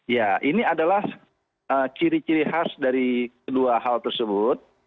ya ini adalah ciri ciri khas dari kedua hal tersebut